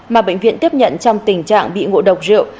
mà bệnh viện tiếp nhận trong tình trạng bị ngộ độc rượu